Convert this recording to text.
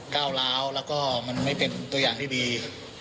ก้าวร้าวแล้วก็มันไม่เป็นตัวอย่างที่ดี